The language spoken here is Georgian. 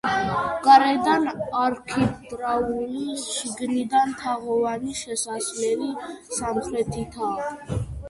გარედან არქიტრავული, შიგნიდან თაღოვანი შესასვლელი სამხრეთითაა.